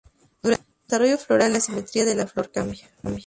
Durante el desarrollo floral, la simetría de la flor cambia.